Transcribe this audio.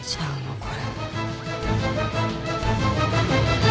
これ。